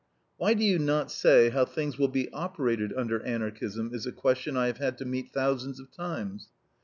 "Why do you not say how things will be operated under Anarchism?" is a question I have had to meet thousands of times.